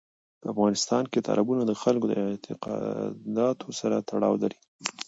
په افغانستان کې تالابونه د خلکو د اعتقاداتو سره تړاو لري.